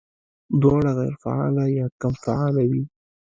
دواړه غېر فعاله يا کم فعاله وي